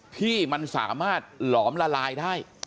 ที่มันสามารถหลอมละลายได้